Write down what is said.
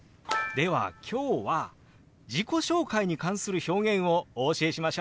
では今日は自己紹介に関する表現をお教えしましょう！